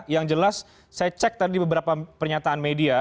yang jelas saya cek tadi beberapa pernyataan media